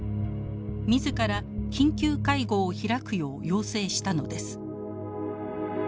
自ら緊急会合を開くよう要請したのです。